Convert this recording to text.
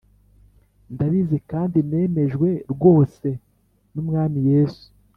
Ndabizi kandi nemejwe rwose n Umwami Yesu